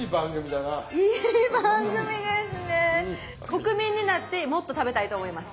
国民になってもっと食べたいと思います！